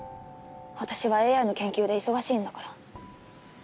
私はＡＩの研究で忙しいんだから。